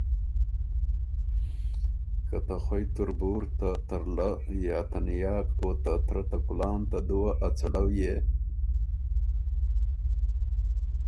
که ته خوئ تُربُور ته ترلۀ یا ته نیاک او ته ترۀ ته کلان، ته دُوه ا څلؤ يې